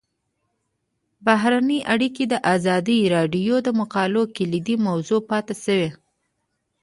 بهرنۍ اړیکې د ازادي راډیو د مقالو کلیدي موضوع پاتې شوی.